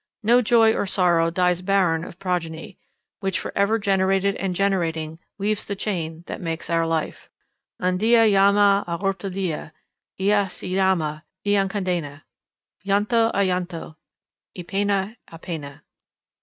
No joy or sorrow dies barren of progeny, which for ever generated and generating, weaves the chain that make our life: Un dia llama à otro dia y asi llama, y encadena llanto à llanto, y pena à pena.